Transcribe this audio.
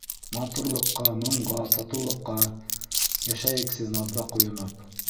Матурлыҡҡа, моңға, татыулыҡҡа Йәшәйексе наҙҙа ҡойоноп.